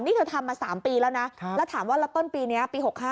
นี่เธอทำมา๓ปีแล้วนะแล้วถามว่าแล้วต้นปีนี้ปี๖๕